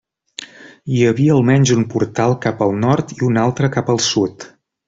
Hi havia almenys un portal cap al nord i un altre cap al sud.